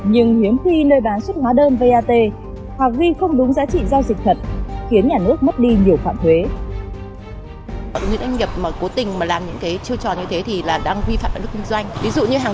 nhưng hiếm khi nơi bán xuất hóa đơn vat hoặc ghi không đúng giá trị giao dịch thật